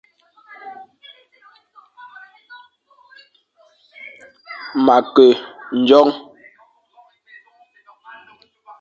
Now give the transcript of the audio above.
Ma ke ndjong.